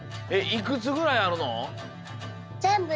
いくつぐらいあるの？